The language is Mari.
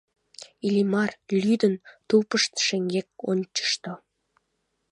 Иллимар, лӱдын, тупышт шеҥгеч ончышто.